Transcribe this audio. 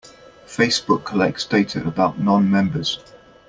Facebook collects data about non-members.